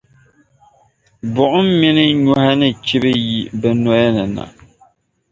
buɣim mini nyɔhi ni chilibi yi bɛ noya ni na.